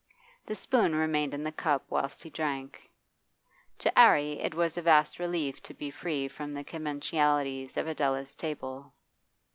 The spoon remained in the cup whilst he drank. To 'Arry it was a vast relief to be free from the conventionalities of Adela's table.